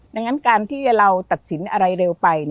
ดังนั้นการที่เราตัดสินอะไรเร็วไป